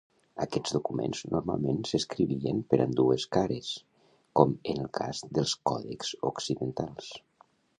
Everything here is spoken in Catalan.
Aquests documents normalment s'escrivien per ambdues cares, com en el cas dels còdexs occidentals.